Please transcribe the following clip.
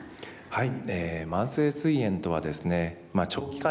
はい。